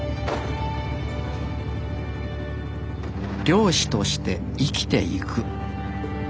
漁師として生きていく。